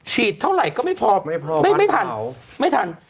ฉีดเท่าไหร่ก็ไม่พอไม่ทัน